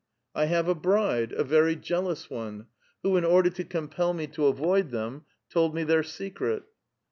I have a bride, — a very jealous one, — who, in order to compel me to avoid them, told me their secret."